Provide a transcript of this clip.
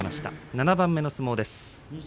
７番目の相撲です。